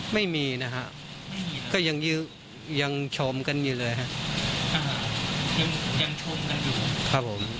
ไม่มีนะครับก็ยังชมกันอยู่เลยครับ